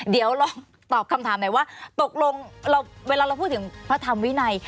เดี๋ยวลองตอบคำถามหน่อยว่าตกลงเวลาเราพูดถึงพระธรรมวินัย